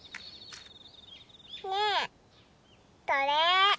ねえこれ。